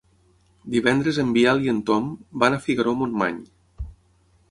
Divendres en Biel i en Tom van a Figaró-Montmany.